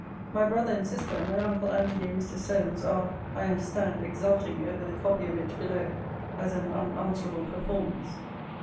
My brother and sister, my uncle Antony and Mr. Solmes, are, I understand, exulting over the copy of it below, as an unanswerable performance.